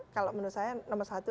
kalau menurut saya nomor satu